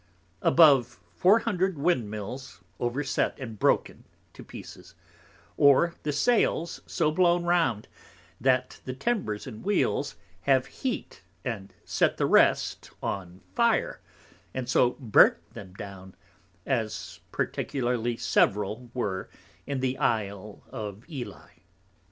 Above 400 Wind mils overset, and broken to pieces; or the Sails so blown round, that the Timbers and Wheels have heat and set the rest on Fire, and so burnt them down, as particularly several were in the Isle of Ely.